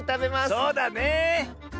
そうだね！